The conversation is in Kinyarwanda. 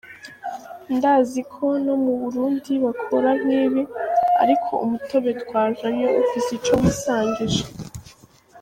Ndazi ko no muburundi bakora nkibi, ariko umutobe twazanye ufise ico wisangije.